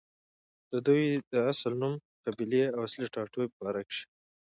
ددوي د اصل نوم، قبيلې او اصلي ټاټوبې باره کښې